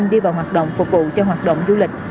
đi vào hoạt động phục vụ cho hoạt động du lịch